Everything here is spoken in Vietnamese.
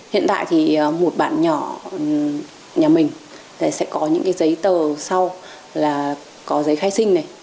hiện tại thì một bạn nhỏ nhà mình sẽ có những cái giấy tờ sau là có giấy khai sinh này